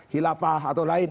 hilafah atau lain